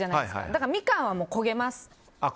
だからミカンは焦げます。